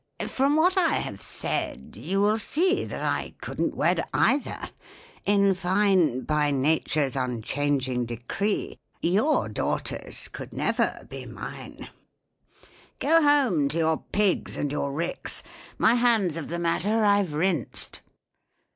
"From what I have said you will see That I couldn't wed either—in fine, By Nature's unchanging decree Your daughters could never be mine. "Go home to your pigs and your ricks, My hands of the matter I've rinsed."